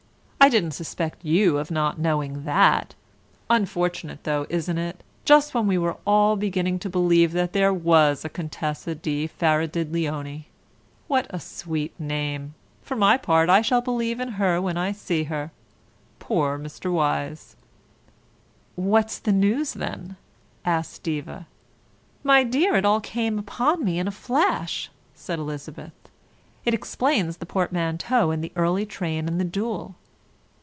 "I didn't suspect you of not knowing that. Unfortunate though, isn't it, just when we were all beginning to believe that there was a Contessa di Faradidleony! What a sweet name! For my part I shall believe in her when I see her. Poor Mr. Wyse!" "What's the news then?" asked Diva. "My dear, it all came upon me in a flash," said Elizabeth. "It explains the portmanteau and the early train and the duel."